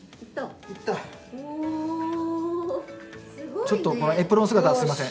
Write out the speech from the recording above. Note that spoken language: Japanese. ちょっとこのエプロン姿はすいません。